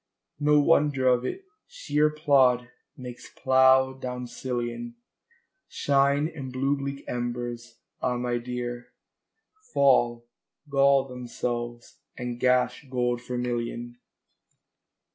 No wonder of it: shéer plód makes plough down sillion Shine, and blue bleak embers, ah my dear, Fall, gall themselves, and gash gold vermillion.